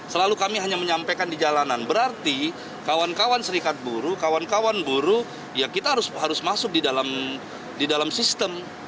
selalu kami hanya menyampaikan di jalanan berarti kawan kawan serikat buruh kawan kawan buruh ya kita harus masuk di dalam sistem